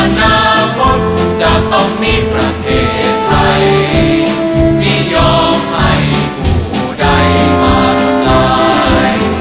อนาคตจะต้องมีประเทศไทยไม่ยอมให้ผู้ใดมากมาย